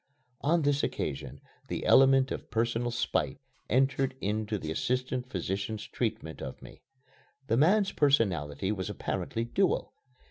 On this occasion the element of personal spite entered into the assistant physician's treatment of me. The man's personality was apparently dual.